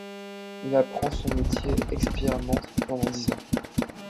Il apprend son métier, expérimente pendant dix ans.